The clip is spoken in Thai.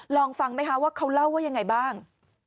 ลองฟังไหมคะว่าเขาเล่าว่ายังไงบ้าง